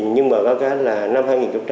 nhưng mà có cái là năm hai nghìn hai mươi hai